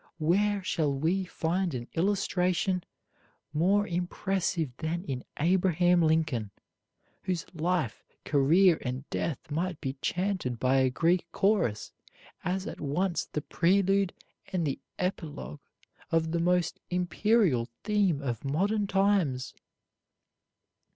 Where shall we find an illustration more impressive than in Abraham Lincoln, whose life, career, and death might be chanted by a Greek chorus as at once the prelude and the epilogue of the most imperial theme of modern times?